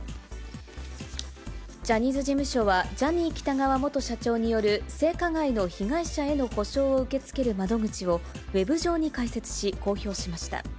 ジャニーズ事務所は、ジャニー喜多川元社長による性加害の被害者への補償を受け付ける窓口を、ウェブ上に開設し、公表しました。